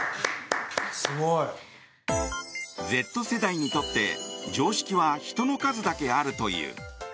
Ｚ世代にとって常識は人の数だけあるという。